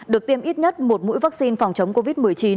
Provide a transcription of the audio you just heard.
được tiêm ít nhất một mũi vaccine phòng chống covid một mươi chín